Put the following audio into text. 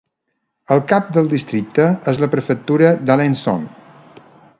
El cap del districte és la prefectura d'Alençon.